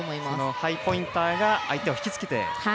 ハイポインターが相手を引きつけて。